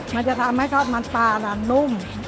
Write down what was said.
มันจะทำให้ขอบมันปลาหนานุ่ม